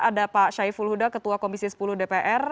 ada pak syai fulhuda ketua komisi sepuluh dpr